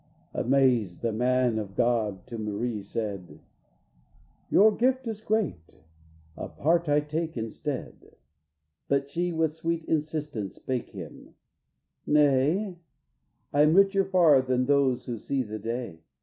Amazed, the man of God to Marie said: "Your gift is great, a part I take instead;" But she, with sweet insistence, spake him, "Nay, I'm richer far than those who see the day.